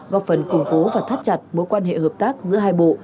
góp phần củng cố và thắt chặt mối quan hệ hợp tác giữa hai bộ